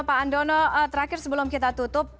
pak andono terakhir sebelum kita tutup